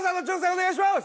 お願いします